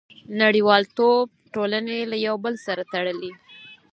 • نړیوالتوب ټولنې له یو بل سره تړلي.